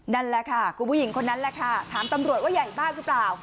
นั่นแหละค่ะคุณผู้หญิงคนนั้นแหละค่ะถามตำรวจว่าใหญ่มากหรือเปล่า